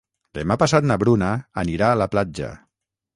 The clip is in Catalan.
Demà passat na Bruna anirà a la platja.